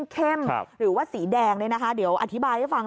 เข้มหรือว่าสีแดงเลยนะคะเดี๋ยวอธิบายให้ฟัง